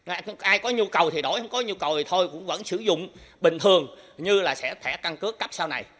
ai có nhu cầu thì đổi không có nhu cầu thì thôi cũng vẫn sử dụng bình thường như là sẽ thẻ căn cước cấp sau này